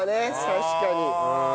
確かに。